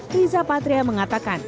riza patria mengatakan